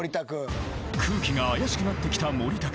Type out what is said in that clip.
［空気が怪しくなってきたモリタク！］